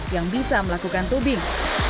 yang bisa melakukan tubing